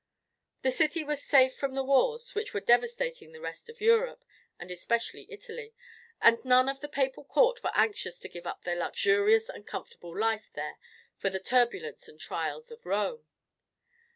The city was safe from the wars which were devastating the rest of Europe and especially Italy, and none of the papal court were anxious to give up their luxurious and comfortable life there for the turbulence and trials of Rome.